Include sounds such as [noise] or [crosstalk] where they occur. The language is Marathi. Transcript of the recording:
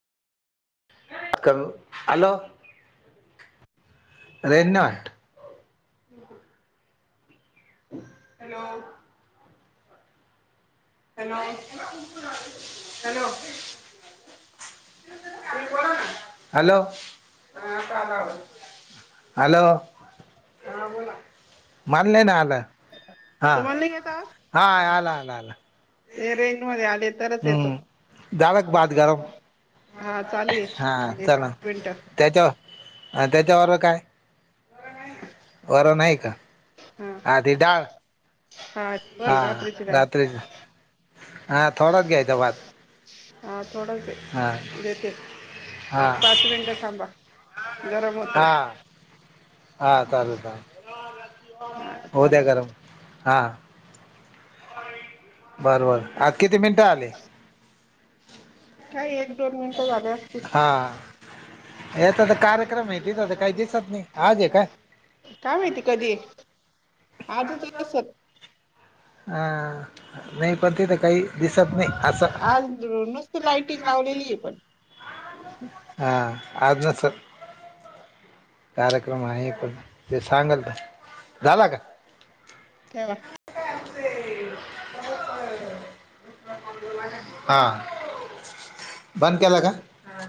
हॅलो रेंज नाही वाटत. हॅलो हॅलो हॅलो [inaudible] हॅलो हा बोला मला नाही ना आल. हा तुम्हाला नाही येत आवाज? हा आला आला आला. ते रेंज मध्ये आले तरच येतो. हम्म झाला [inaudible] का भात गरम हा चालू ये हा एक चला मिनट त्याच्यावर त्याच्या बरोबर काय वरण आहे का? हा आधी डाळ हा बर, हा रात्रीची डाळ रात्री हा थोडाच घ्यायचा भात. हा थोडाच ये हा देते हा एक पाच मिनटं थांबा. गरम होतोय हा हा चालेल चालेल. हा होऊ दया चालेल गरम हा. बरं बर आज किती मिनिटं आले. काय एक दोन मिनिटं झाले असतील. हा याचा तर कार्यक्रम आहे तिथ तर काही दिसत नाही आज आहे काय काय माहिती कधी आजच आहे नाही पण तिथ काही दिसत नाही असं आज नसत लायटिंग लावलेली आहे पण हा आज नसल कार्यक्रम आहे पण ते सांगल का झाला का ठेवा हा बंद केला का